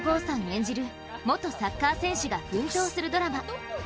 演じる元サッカー選手が奮闘するドラマ。